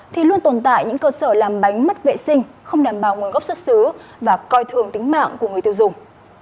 thì luôn tồn tại những cơ sở làm bánh mất vệ sinh không đảm bảo nguồn gốc xuất xứ và coi thường tính mạng của người tiêu dùng